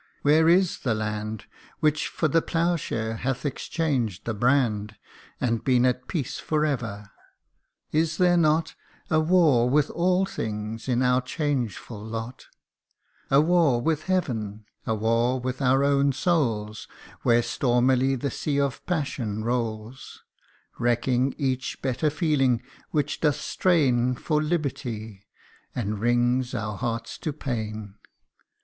Where is the land Which for the ploughshare hath exchanged the brand, CANTO II. And been at peace for ever ? Is there not A war with all things in our changeful lot ? A war with Heaven, a war with our own souls, Where stormily the sea of passion rolls Wrecking each better feeling, which doth strain For liberty and wrings our hearts to pain